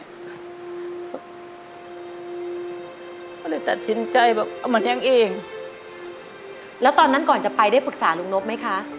ก็เลยตัดสินใจบอกเอามาเลี้ยงเองแล้วตอนนั้นก่อนจะไปได้ปรึกษาลุงนกไหมคะ